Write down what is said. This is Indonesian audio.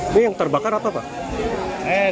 ini yang terbakar apa pak